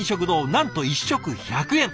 なんと１食１００円！